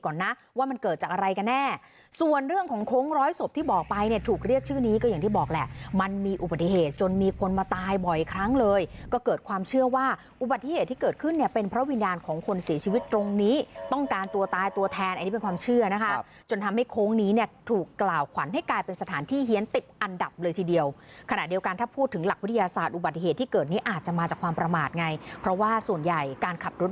ก่อนนะว่ามันเกิดจากอะไรกันแน่ส่วนเรื่องของโค้งร้อยศพที่บอกไปเนี่ยถูกเรียกชื่อนี้ก็อย่างที่บอกแหละมันมีอุบัติเหตุจนมีคนมาตายบ่อยครั้งเลยก็เกิดความเชื่อว่าอุบัติเหตุที่เกิดขึ้นเนี่ยเป็นพระวิญญาณของคนศีลชีวิตตรงนี้ต้องการตัวตายตัวแทนอันนี้เป็นความเชื่อนะคะจนทำให้โค้งนี้เนี่ยถูกก